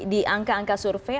di angka angka survei